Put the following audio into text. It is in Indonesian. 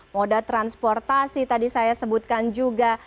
moda transportasi tadi saya sebutkan juga